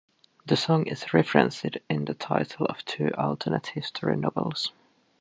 The song is referenced in the title of two alternate history novels.